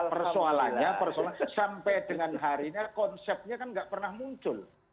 persoalannya persoalannya sampai dengan harinya konsepnya kan gak pernah muncul